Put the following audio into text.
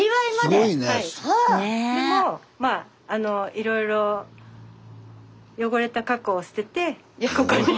でもまあいろいろ汚れた過去を捨ててここに。